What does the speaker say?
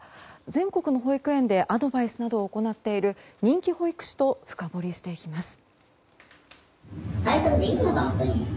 全国の保育園でアドバイスなどを行っている人気保育士と深掘りしていきます。